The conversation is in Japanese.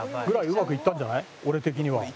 うまくいったんじゃない俺的には。